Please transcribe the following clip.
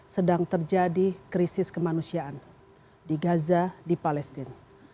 sedang terjadi krisis kemanusiaan di gaza di palestina